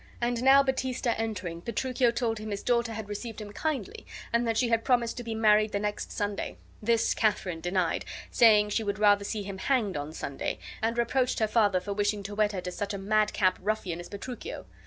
And now Baptista entering, Petruchio told him his daughter had received him kindly and that she had promised to be married the next Sunday. This Katharine denied, saying she would rather see him hanged on Sunday, and reproached her father for wishing to wed her to such a madcap ruffian as Petruchio.